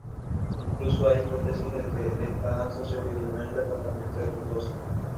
Incluso hay hipótesis de que esta danza se originó en el departamento de Potosí.